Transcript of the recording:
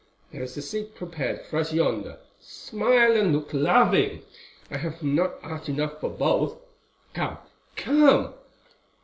There is a seat prepared for us yonder. Smile and look loving. I have not art enough for both. Come!—come!"